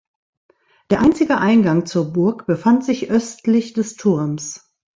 Der einzige Eingang zur Burg befand sich östlich des Turms.